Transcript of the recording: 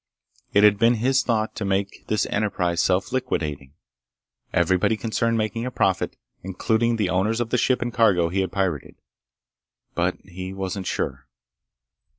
It had been his thought to make this enterprise self liquidating—everybody concerned making a profit, including the owners of the ship and cargo he had pirated. But he wasn't sure.